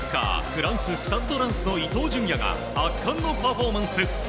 フランス、スタッド・ランスの伊東純也が圧巻のパフォーマンス。